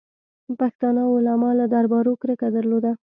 پښتانه علما له دربارو کرکه درلوده.